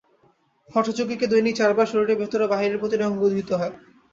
হঠযোগীকে দৈনিক চার বার শরীরের ভিতরের ও বাহিরের প্রতিটি অঙ্গ ধুইতে হয়।